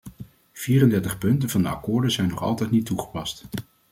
Vierendertig punten van de akkoorden zijn nog altijd niet toegepast.